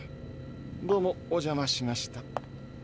どうもおじゃましました。